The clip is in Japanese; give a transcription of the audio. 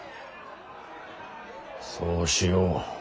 そうしよう。